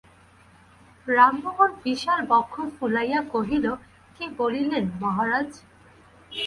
রামমোহন বিশাল বক্ষ ফুলাইয়া কহিল, কী বলিলেন মহারাজ?